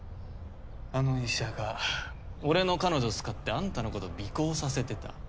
あの医者が俺の彼女使ってあんたのこと尾行させてた。